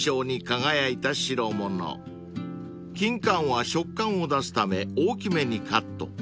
［金柑は食感を出すため大きめにカット］